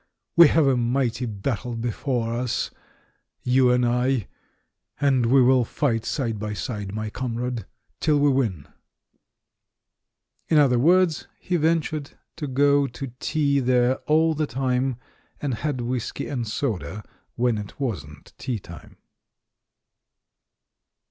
We have a mighty battle before us, you and I — and we will fight side by side, my comrade, till we win!" 354 THE MAN WHO UNDERSTOOD WOMEN In other words, he ventured to go to tea there all the same, and had whisky and soda when it wasn't tea time.